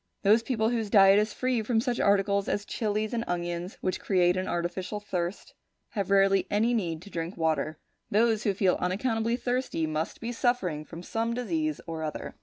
Those people whose diet is free from such articles as chillies and onions which create an artificial thirst, have rarely any need to drink water. Those who feel unaccountably thirsty must be suffering from some disease or other.